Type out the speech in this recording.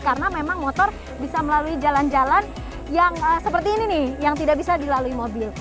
karena memang motor bisa melalui jalan jalan yang seperti ini yang tidak bisa dilalui mobil